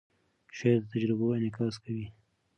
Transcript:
شعر د تجربو انعکاس کوي.